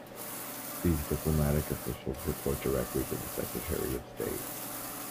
These diplomatic officials report directly to the Secretary of State.